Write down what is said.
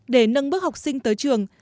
để nâng bước học sinh tới trường